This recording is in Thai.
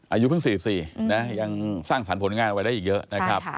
อายุเพิ่ง๔๔นะยังสร้างสรรค์ผลงานเอาไว้ได้อีกเยอะนะครับ